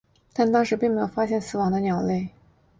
但当时并没发现死亡的鸟类。